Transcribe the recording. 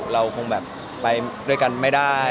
เราคงแบบไปด้วยกันไม่ได้